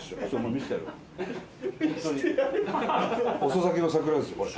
遅咲きの桜ですよこれ。